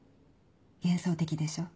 幻想的でしょ。